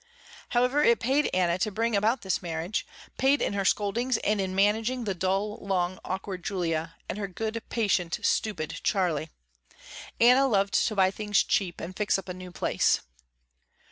However it paid Anna to bring about this marriage, paid her in scoldings and in managing the dull, long, awkward Julia, and her good, patient, stupid Charley. Anna loved to buy things cheap, and fix up a new place.